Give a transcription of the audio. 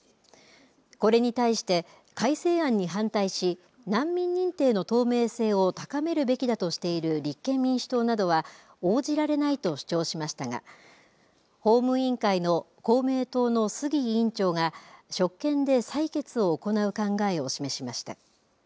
これに対して改正案に反対し難民認定の透明性を高めるべきだとしている立憲民主党などは応じられないと主張しましたが法務委員会の公明党の杉委員長が職権で採決を行う考えを示しました。